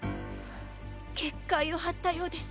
結界を張ったようです。